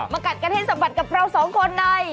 มากัดกระเทศสมัติกับเราสองคนใน